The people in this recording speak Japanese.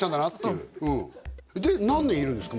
うんで何年いるんですか？